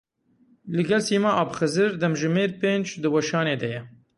Li gel Sîma Abxizir Demjimêr pênc di weşanê de ye.